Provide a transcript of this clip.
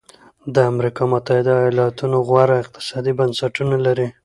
د امریکا متحده ایالتونو غوره اقتصادي بنسټونه لري.